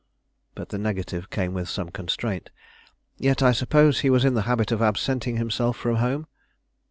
But the negative came with some constraint. "Yet I suppose he was in the habit of absenting himself from home?"